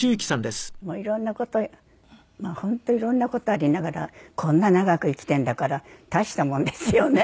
もういろんな事本当いろんな事ありながらこんな長く生きてるんだから大したもんですよね。